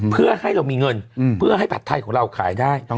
เพื่อให้เรามีเงินเพื่อให้ผัดไทยของเราขายได้